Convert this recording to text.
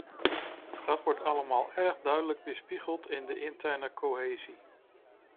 Dat wordt allemaal erg duidelijk weerspiegeld in de interne cohesie.